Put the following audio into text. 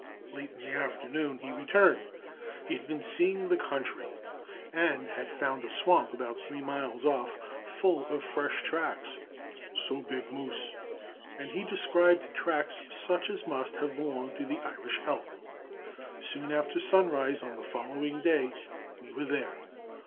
Late in the afternoon he returned. He had been seeing the country, and had found a swamp about three miles off full of fresh tracks, "so big moose," and he described tracks such as must have belonged to the Irish elk. Soon after sunrise on the following day we were there.